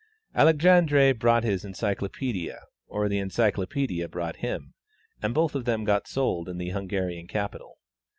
Alexandre brought his Encyclopædia, or the Encyclopædia brought him, and both of them got sold in the Hungarian capital.